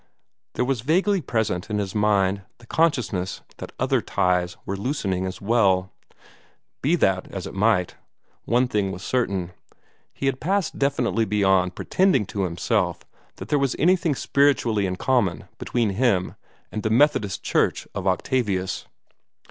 There was vaguely present in his mind the consciousness that other ties were loosening as well. Be that as it might, one thing was certain. He had passed definitely beyond pretending to himself that there was anything spiritually in common between him and the Methodist Church of Octavius.